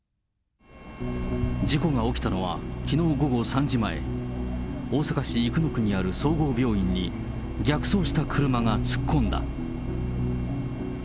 事故が起きたのは、きのう午後３時前、大阪市生野区にある総合病院に、逆走した車が突っ込んだ。